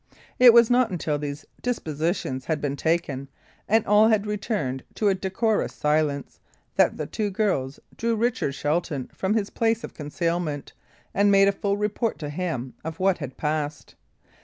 It was not until these dispositions had been taken, and all had returned to a decorous silence, that the two girls drew Richard Shelton from his place of concealment, and made a full report to him of what had passed.